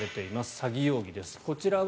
詐欺容疑です。